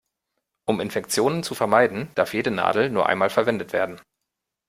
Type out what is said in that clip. Um Infektionen zu vermeiden, darf jede Nadel nur einmal verwendet werden.